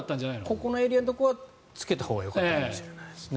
ここのエリアのところはつけたほうがよかったかもしれないですね。